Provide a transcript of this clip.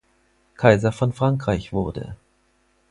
Kaiser von Frankreich wurde.